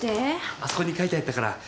あそこに書いてあったから。